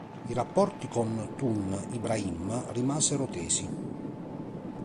I rapporti con Tun Ibrahim rimasero tesi.